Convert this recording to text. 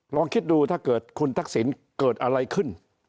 ลองคิดดูถ้าเกิดคุณทักษิณเกิดอะไรขึ้น